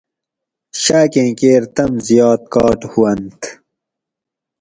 شاٞکیں کیر تٞم زیات کاٹ ہواٞنت